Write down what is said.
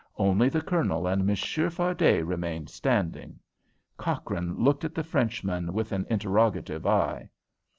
Only the Colonel and Monsieur Fardet remained standing. Cochrane looked at the Frenchman with an interrogative eye.